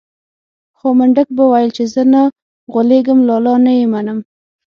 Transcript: خو منډک به ويل چې زه نه غولېږم لالا نه يې منم.